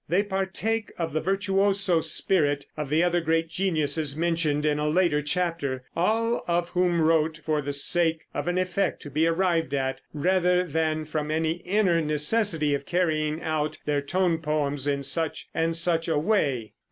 They partake of the virtuoso spirit of the other great geniuses mentioned in a later chapter all of whom wrote for the sake of an effect to be arrived at, rather than from any inner necessity of carrying out their tone poems in such and such a way.